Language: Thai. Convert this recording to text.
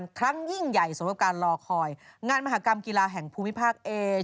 มีคนที่อายุมากที่สุดแล้วเป็นผู้ชาย